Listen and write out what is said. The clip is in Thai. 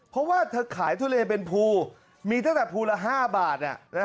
เพราะว่าเธอขายทุเลเป็นภูมีตั้งแต่ภูละ๕บาท